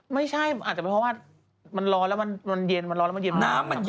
มีคนบอกแล้วกินออกสื่อนะคะ